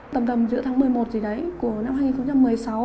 tầm tầm giữa tháng một mươi một gì đấy của năm hai nghìn một mươi sáu